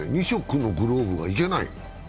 ２色のグローブがいけない？